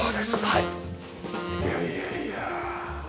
いやいやいや。